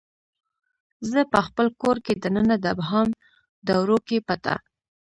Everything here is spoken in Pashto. زه پخپل کور کې دننه د ابهام دوړو کې پټه